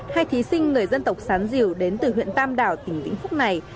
hai thí sinh người dân tộc sán diều đến từ huyện tam đảo tỉnh vĩnh phúc này